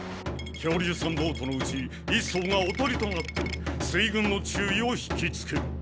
恐竜さんボートのうち１そうがおとりとなって水軍の注意を引きつける。